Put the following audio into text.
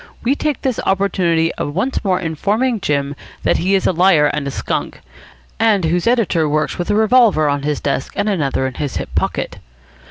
We take this opportunity of once more informing Jim that he is a liar and a skunk," and whose editor works with a revolver on his desk and another in his hip pocket.